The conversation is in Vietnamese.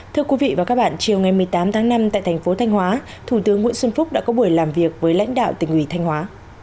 thưa quý vị và các bạn chiều ngày một mươi tám tháng năm tại thành phố thanh hóa thủ tướng nguyễn xuân phúc đã có buổi làm việc với lãnh đạo tỉnh ủy thanh hóa